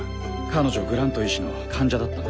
彼女グラント医師の患者だったんだ。